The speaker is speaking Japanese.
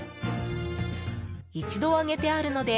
一度揚げてあるので